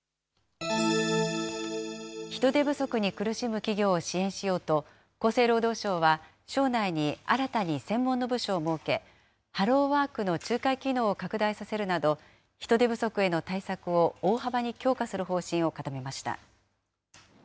人手不足に苦しむ企業を支援しようと、厚生労働省は省内に新たに専門の部署を設け、ハローワークの仲介機能を拡大させるなど、人手不足への対策を大幅に強化する方針を固めました。